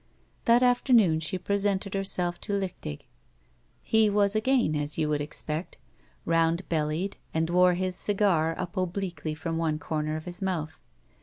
That afternoon she presented herself to Lichtig. He was again as you would expect — round bellied, and wore his cigar up obliquely from one comer of his mouth.